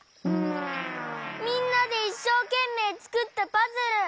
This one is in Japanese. みんなでいっしょうけんめいつくったパズル！